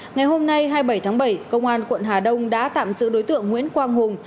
ngày hôm nay hai mươi bảy tháng bảy công an quận hà đông đã tạm giữ đối tượng nguyễn quang hùng